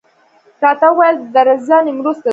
راته وویل درځه نیمروز ته ځو.